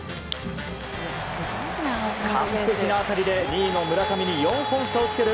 完璧な当たりで２位の村上に４本差をつける